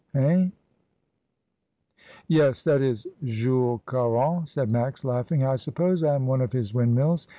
Hein?" "Yes, that is Jules. Caron," said Max, laughing. "I suppose I am one of his windmills.